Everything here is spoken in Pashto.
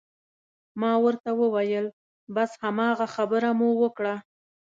ما ورته وویل: بس هماغه خبره مو وکړه.